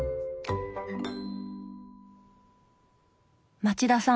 町田さん